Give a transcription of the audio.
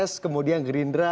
pks kemudian gerindra